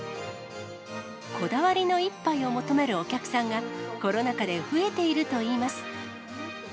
こだわりの一杯を求めるお客さんが、コロナ禍で増えているといいます。